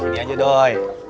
kamu mau ke pos